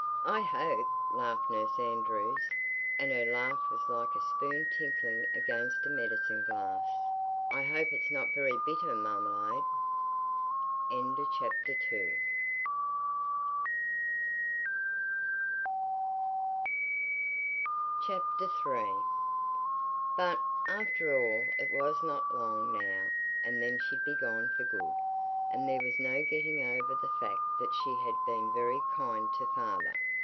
"I hope," laughed Nurse Andrews—and her laugh was like a spoon tinkling against a medicine glass—"I hope it's not very bittah marmalayde." III But, after all, it was not long now, and then she'd be gone for good. And there was no getting over the fact that she had been very kind to father.